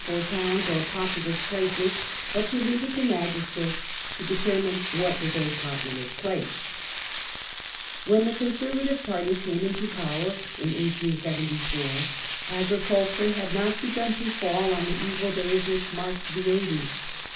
for towns or "populous places," but to leave it to magistrates to determine what was a "populous place ". When the Conservative party came into power in 1874 agri Land, culture had not begun to fall on the evil days which marked the ' n^^[°n. 'eighties.